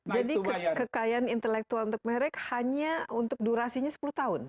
jadi kekayaan intelektual untuk merek hanya untuk durasinya sepuluh tahun